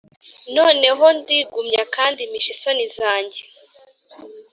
noneho ndigumya kandi mpisha isoni zanjye,